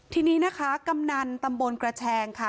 ทีนี้นะคะกำนันตำบลกระแชงค่ะ